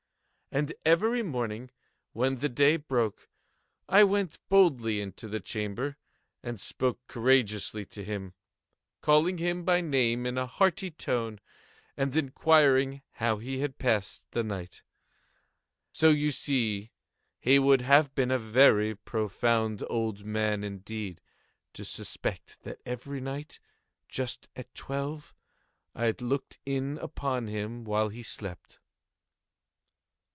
And every morning, when the day broke, I went boldly into the chamber, and spoke courageously to him, calling him by name in a hearty tone, and inquiring how he has passed the night. So you see he would have been a very profound old man, indeed, to suspect that every night, just at twelve, I looked in upon him while he slept.